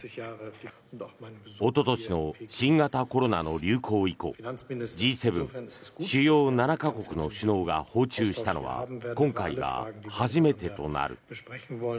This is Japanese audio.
おととしの新型コロナの流行以降Ｇ７・主要７か国の首脳が訪中したのは今回が初めてとなる。